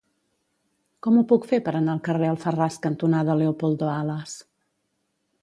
Com ho puc fer per anar al carrer Alfarràs cantonada Leopoldo Alas?